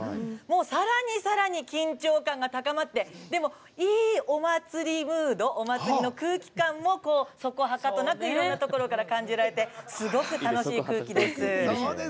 さらにさらに緊張感が高まってでも、いいお祭りムードお祭りの空気感をそこはかとなくいろんなところから感じられてすごく楽しい空気です。